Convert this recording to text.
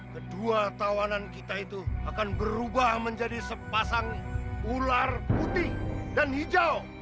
kedua tawanan kita itu akan berubah menjadi sepasang ular putih dan hijau